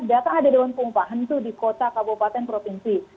tidak akan ada dewan pengupahan itu di kota kabupaten provinsi